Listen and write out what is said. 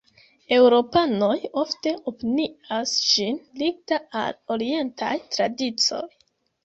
Eŭropanoj ofte opinias ĝin ligita al orientaj tradicioj.